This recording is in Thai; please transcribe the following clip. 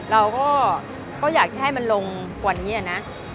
เราก็อยากจะให้มันลงกว่านี้นะ